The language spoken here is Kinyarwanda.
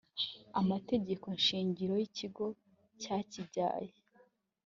amategeko shingiro y ikigo cyakibyaye